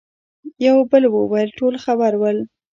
يوه بل وويل: ټول خبر ول.